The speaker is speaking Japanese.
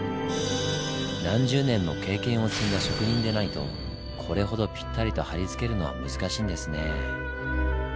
何十年も経験を積んだ職人でないとこれほどぴったりとはりつけるのは難しいんですねぇ。